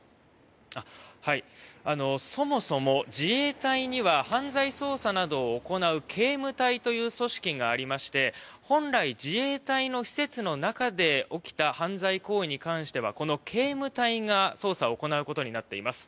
そもそも、自衛隊には犯罪捜査などを行う警務隊という組織がありまして本来、自衛隊の施設の中で起きた犯罪行為に関してはこの警務隊が捜査を行うことになっています。